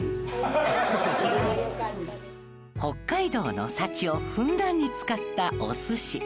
北海道の幸をふんだんに使ったお寿司。